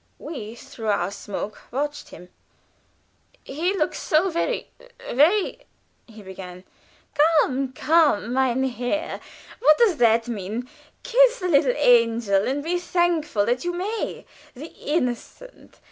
We, through our smoke, watched him. "He looks so very very " he began. "Come, come, mein Herr, what does that mean? Kiss the little angel, and be thankful you may. The innocent!